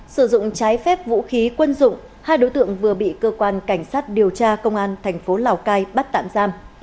sử dụng trái phép vũ khí quân dụng hai đối tượng vừa bị cơ quan cảnh sát điều tra công an thành phố lào cai bắt tạm giam